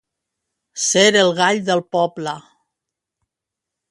Ser el gall del poble.